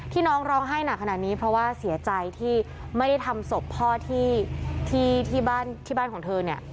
น้องร้องไห้หนักขนาดนี้เพราะว่าเสียใจที่ไม่ได้ทำศพพ่อที่บ้านที่บ้านของเธอเนี่ย